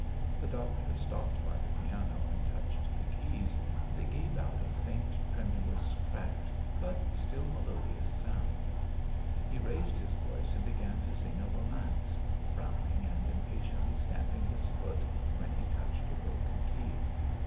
The doctor stopped by the piano and touched the keys and it gave out a faint, tremulous, cracked but still melodious sound. He raised his voice and began to sing a romance, frowning and impatiently stamping his foot when he touched a broken key.